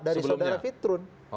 dari saudara fitrun